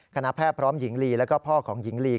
คณะแพทย์พร้อมหญิงลีแล้วก็พ่อของหญิงลี